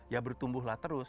ya bertumbuhlah terus